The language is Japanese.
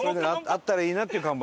あったらいいなっていう看板。